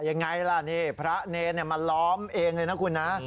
ยังไงล่ะนี่พระเนรมาล้อมเองเลยนะคุณนะ